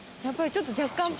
やっぱりちょっと若干。